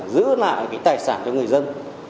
giữ lại tài sản cho người dân